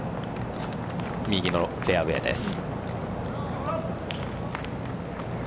右のフェアウエーです。